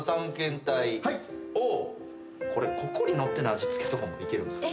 ここに載ってない味付けとかもいけるんすか？